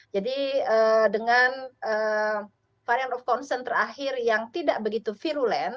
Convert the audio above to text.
jadi dengan variant of concern terakhir yang tidak begitu virulent